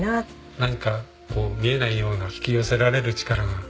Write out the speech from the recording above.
なんかこう見えないような引き寄せられる力が。